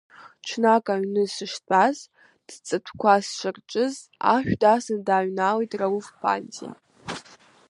Ҽнак аҩны сыштәаз сҵатәқәа сшырҿыз, ашә дасны дааҩналеит Рауф Ԥанҭиа.